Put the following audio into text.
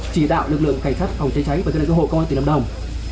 chỉ đạo lực lượng cảnh sát phòng trái trái và cứu nạn cứu hộ công an tỉnh lâm đồng